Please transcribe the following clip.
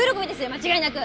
間違いなく！